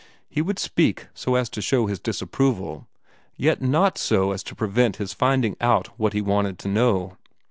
He would speak so as to show his disapproval, yet not so as to prevent his finding out what he wanted to know.